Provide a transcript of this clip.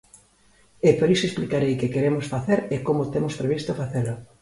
E por iso explicarei que queremos facer e como temos previsto facelo.